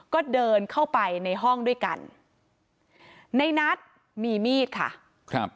ก็เดินเข้าไปในห้องด้วยกันในนัทมีมีดค่ะครับ